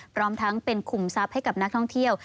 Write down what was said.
พร้อมทั้งเป็นคุมทรัพย์ให้กับนักท่องเที่ยว